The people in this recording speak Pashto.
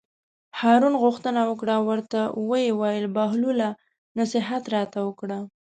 هارون غوښتنه وکړه او ورته ویې ویل: بهلوله نصیحت راته وکړه.